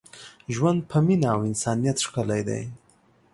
ژوند په مینه او انسانیت ښکلی دی.